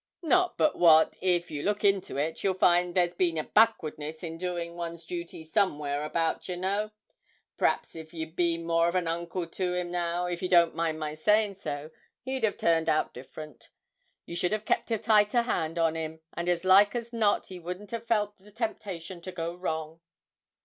Not but what, if you look into it, you'll find there's been a backwardness in doing one's duty somewhere about, yer know. P'raps, if you'd been more of an uncle to him, now, if you don't mind my saying so, he'd have turned out different. You should have kept a tighter hand on him, and as likely as not he wouldn't have felt the temptation to go wrong.'